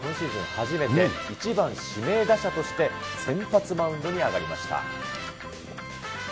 初めて、１番指名打者として、先発マウンドに上がりました。